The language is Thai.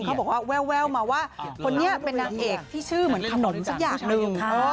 เขาบอกว่าแววมาว่าคนนี้เป็นนางเอกที่ชื่อเหมือนถนนสักอย่างหนึ่ง